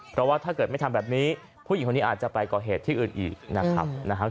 เพราะว่าถ้าเกิดไม่ทำแบบนี้ผู้หญิงคนนี้อาจจะไปก่อเหตุที่อื่นอีกนะครับ